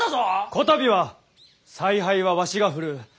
こたびは采配はわしが振るう。